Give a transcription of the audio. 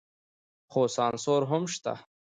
خو سانسور هم شته.